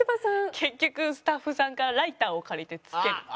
結局スタッフさんからライターを借りてつける。